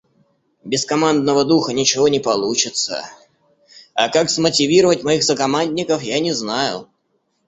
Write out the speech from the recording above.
Без командного духа ничего не получится, а как смотивировать моих сокомандников, я не знаю.